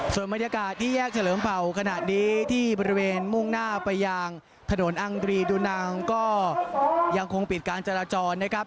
ส่วนบรรยากาศที่แยกเฉลิมเผ่าขณะนี้ที่บริเวณมุ่งหน้าไปยังถนนอังรีดูนางก็ยังคงปิดการจราจรนะครับ